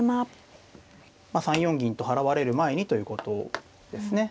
まあ３四銀と払われる前にということですね。